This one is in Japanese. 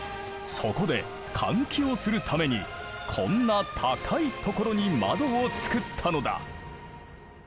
そこで換気をするためにこんな高い所に窓をつくったのだ。